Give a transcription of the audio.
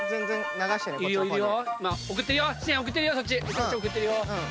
そっち送ってるよ。